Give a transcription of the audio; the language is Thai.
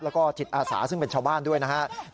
แล้วก็จิตอาสาซึ่งเป็นชาวบ้านด้วยนะครับ